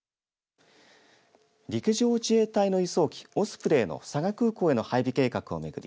陸上自衛隊の輸送機オスプレイの佐賀空港への配備計画を巡り